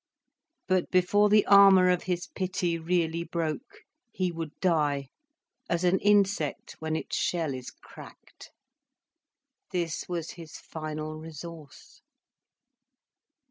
But before the armour of his pity really broke, he would die, as an insect when its shell is cracked. This was his final resource.